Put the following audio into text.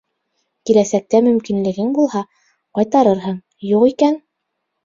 Киләсәктә мөмкинлегең булһа, ҡайтарырһың, юҡ икән...